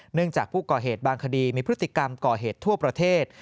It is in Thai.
จากผู้ก่อเหตุบางคดีมีพฤติกรรมก่อเหตุทั่วประเทศ